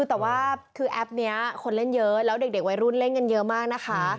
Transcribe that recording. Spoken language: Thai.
แต่ว่าคือแอปนี้คนเล่นเยอะแล้วเด็กวัยรุ่นเล่นกันเยอะมากนะคะ